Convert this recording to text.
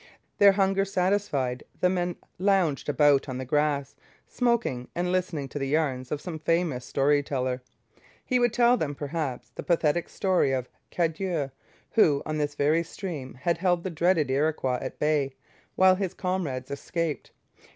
Their hunger satisfied, the men lounged about on the grass, smoking and listening to the yarns of some famous story teller. He would tell them, perhaps, the pathetic story of Cadieux, who, on this very stream, had held the dreaded Iroquois at bay while his comrades escaped.